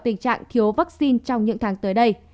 tình trạng thiếu vaccine trong những tháng tới đây